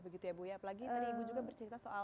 apalagi tadi ibu juga bercerita soal